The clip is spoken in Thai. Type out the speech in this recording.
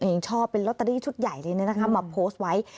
ตัวเองชอบเป็นลอตเตอรี่ชุดใหญ่เลยเนี่ยนะคะมาโพสต์ไว้